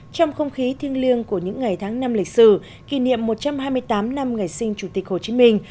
trong không khí thiêng liêng của những ngày tháng năm lịch sử kỷ niệm một trăm hai mươi tám năm ngày sinh chủ tịch hồ chí minh